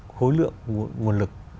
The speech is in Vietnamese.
khối lượng nguồn lực